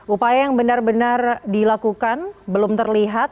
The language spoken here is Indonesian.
upaya yang benar benar dilakukan belum terlihat